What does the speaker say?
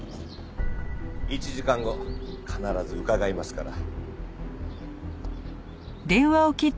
１時間後必ず伺いますから。